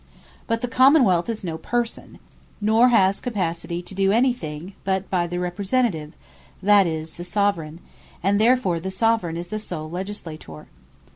But the Common wealth is no Person, nor has capacity to doe any thing, but by the Representative, (that is, the Soveraign;) and therefore the Soveraign is the sole Legislator.